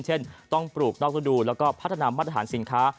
เช่นต้องปลูกนอกระดูกแล้วก็พัฒนามาตรฐานสินค้า